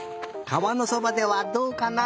かわのそばではどうかな？